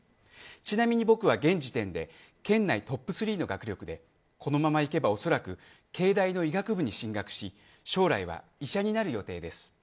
ちなみに僕は現時点で県内トップ３の学力でこのままいけばおそらくＫ大の医学部に進学し将来は医者になる予定です。